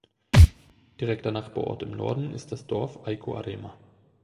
Direkter Nachbarort im Norden ist das Dorf Aicoarema.